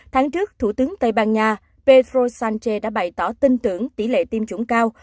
tháng trước thủ tướng tây ban nha pedro sánche đã bày tỏ tin tưởng tỷ lệ tiêm chủng cao